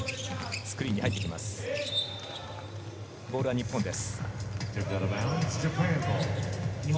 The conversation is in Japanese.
ボールは日本です。